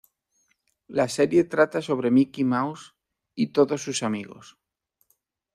La serie trata sobre Mickey Mouse y todos sus amigos.